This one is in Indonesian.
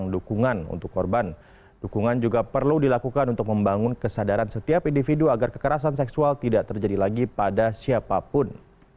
dukungan juga perlu dilakukan untuk membangun kesadaran setiap individu agar kekerasan seksual tidak terjadi lagi pada siapapun